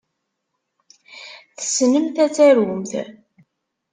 Tessnemt ad tarumt.